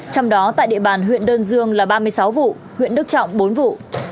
trong đó tại địa bàn huyện đơn dương là ba mươi sáu vụ huyện đức trọng bốn vụ